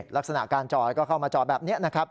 ลักษณะการจอก็เข้ามาจอแบบนี้